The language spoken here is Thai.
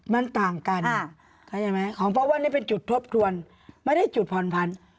มันต่างกันเพราะว่านี่เป็นจุดทบทวนไม่ได้จุดผ่อนพันธุ์